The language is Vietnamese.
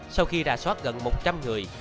sau khi ra soát gần một trăm linh người